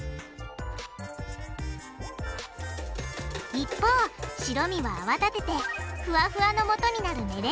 一方白身は泡立ててふわふわのもとになるメレンゲ作り！